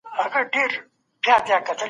دوی په خپلو کارونو کي درغلي نه کوي.